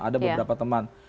ada beberapa teman